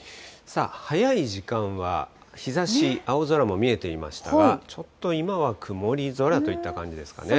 さあ、早い時間は日ざし、青空も見えていましたが、ちょっと今は曇り空といった感じですかね。